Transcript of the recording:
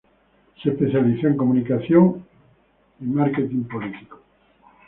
Se especializó en Comunicación y Marketing Político.